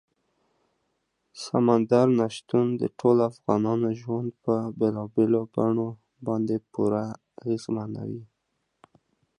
سمندر نه شتون د ټولو افغانانو ژوند په بېلابېلو بڼو باندې پوره اغېزمنوي.